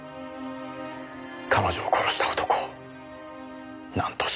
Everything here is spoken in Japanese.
彼女を殺した男をなんとしても。